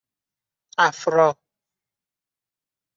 اََفرا